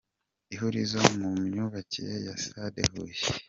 Ihurizo mu myubakire ya stade Huye.